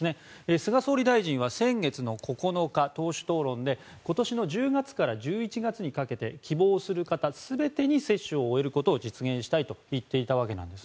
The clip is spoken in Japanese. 菅総理大臣は先月の９日党首討論で今年の１０月から１１月にかけて希望する方全てに接種を終えることを実現したいと言っていたわけなんです。